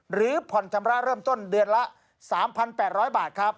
หรือผ่อนชำระเริ่มต้นเดือนละ๓๘๐๐บาทครับ